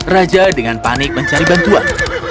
raja dengan panik mencari bantuan